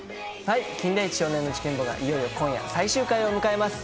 金田一少年の事件簿がいよいよ今夜最終回を迎えます。